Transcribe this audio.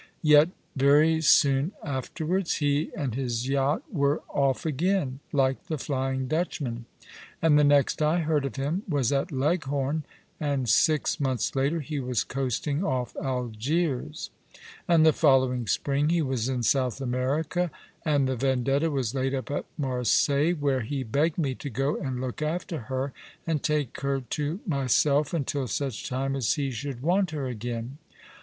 " Yet, very soon afterwards, he and his yacht v^^ere off again like the Flyinj Dutchman, and the next I heard of him was at Leghorn, and six months later he was coasting off Algiers; and the following spring he was in South America ; and the Vendetta was laid up at Marseilles, where he begged me to go and look after ber, and take her to myself until such time as he should want her again.